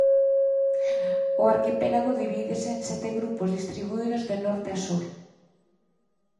O arquipélago divídese en sete grupos distribuídos de norte a sur.